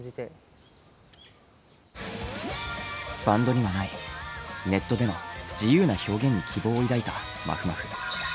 バンドにはないネットでの自由な表現に希望を抱いたまふまふ。